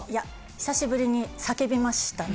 久しぶりに叫びましたね。